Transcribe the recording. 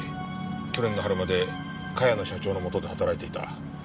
去年の春まで茅野社長のもとで働いていた。